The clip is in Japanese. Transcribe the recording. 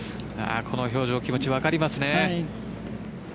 この表情気持ち分かりますね。